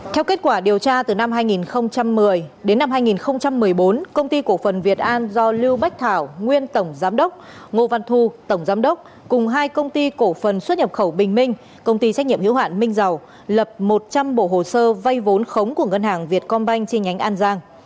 theo kết quả điều tra từ năm hai nghìn một mươi đến năm hai nghìn một mươi bốn công ty cổ phần việt an do lưu bách thảo nguyên tổng giám đốc ngô văn thu tổng giám đốc cùng hai công ty cổ phần xuất nhập khẩu bình minh công ty trách nhiệm hữu hạn minh giàu lập một trăm linh bộ hồ sơ vay vốn khống của ngân hàng việt công banh trên nhánh an giang